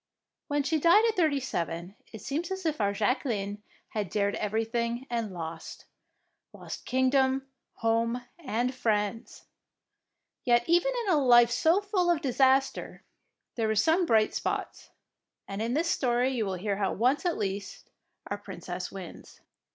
When she died at thirty seven, it seems as if our Jacqueline had dared everything and lost, — lost kingdom, home, and friends. Yet even in a life so full of disaster there were some bright spots, and in this story you will hear how once at least our Princess wins.